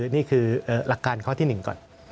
นี่คือหลักการข้อที่๑ก่อน